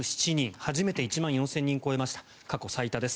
初めて１万４０００人を超えました、過去最多です。